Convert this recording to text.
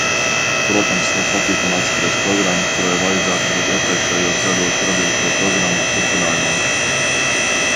Protams, ir patīkami apspriest programmu, kurai vajadzētu būt iepriekšējos gados radīto programmu turpinājumam.